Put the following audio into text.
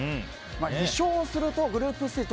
２勝するとグループステージ